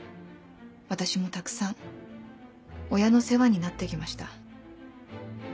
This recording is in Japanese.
私もたくさん親の世話になってきました。